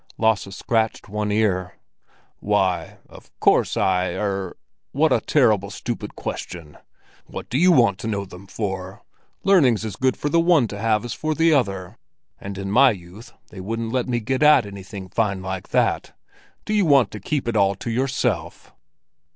Lasse scratched one ear. "Why, of course I—er—what a terrible stupid question! What do you want to know them for? Learning's as good for the one to have as for the other, and in my youth they wouldn't let me get at anything fine like that. Do you want to keep it all to yourself?"